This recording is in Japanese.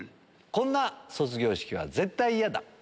こんな卒業式は絶対嫌だ